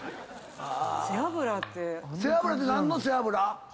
背脂って何の背脂？